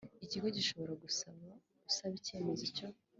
Ikigo gishobora gusaba usaba icyemezo cyo